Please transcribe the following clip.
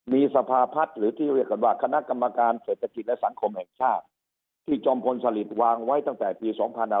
มีสภาพัฒน์หรือที่เรียกกันว่าคณะกรรมการเศรษฐกิจและสังคมแห่งชาติที่จอมพลสลิดวางไว้ตั้งแต่ปี๒๕๕๙